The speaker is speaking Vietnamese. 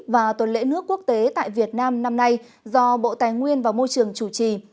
và tuần lễ nước quốc tế tại việt nam năm nay do bộ tài nguyên và môi trường chủ trì